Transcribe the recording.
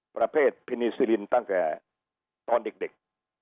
ประเภทพินีซิลินตั้งแต่ตอนเด็ก